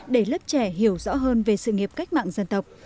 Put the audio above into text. để lớp trẻ hiểu rõ hơn về sự nghiệp cách mạng dân tộc